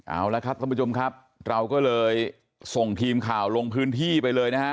เอาละครับท่านผู้ชมครับเราก็เลยส่งทีมข่าวลงพื้นที่ไปเลยนะฮะ